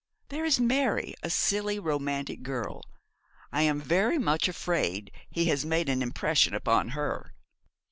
There is Mary, a silly, romantic girl. I am very much afraid he has made an impression upon her.